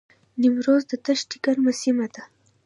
نیمروز د دښتې ګرمه سیمه ده